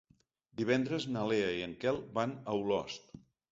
Divendres na Lea i en Quel van a Olost.